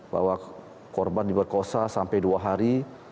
bahwa korban diperkosa sampai dua hari